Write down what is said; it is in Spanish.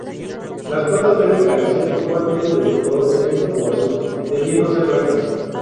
Las patas deben carecer igualmente de los colores negro o azul, debiendo ser blancas.